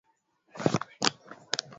Viambaupishi vya kiazi lishe